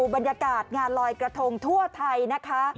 บรรยากาศงานลอยกระทงทั่วไทยนะคะ